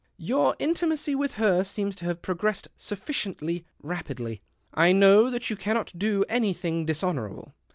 " Your intimacy with her seems to have progressed sufficiently rapidly. I know that you cannot do anything dishonourable.